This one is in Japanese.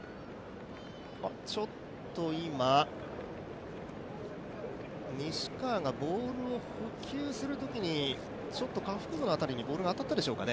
ちょっと今西川がボールを捕球するときに下腹部のところにボールが当たりましたか？